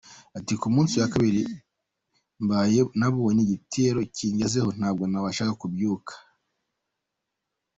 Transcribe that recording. Ati “ Ku munsi wa kabiri mbyaye, nabonye igitero kingezeho, ntabwo nabashaga kubyuka.